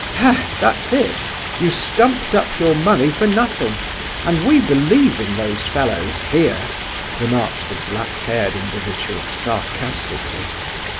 "Hey! that's it! You stumped up your money for nothing, and we believe in those fellows, here!" remarked the black haired individual, sarcastically.